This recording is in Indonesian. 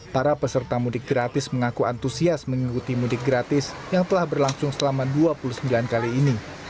para peserta mudik gratis mengaku antusias mengikuti mudik gratis yang telah berlangsung selama dua puluh sembilan kali ini